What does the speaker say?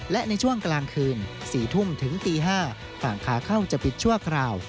และในช่วงกลางคืน๔ทุ่มถึงตี๕ฝั่งขาเข้าจะปิดชั่วคราว